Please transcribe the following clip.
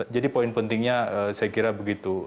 jadi poin pentingnya saya kira begitu